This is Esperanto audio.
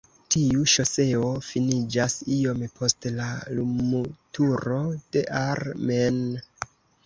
Tiu ŝoseo finiĝas iom post la lumturo de Ar-Men.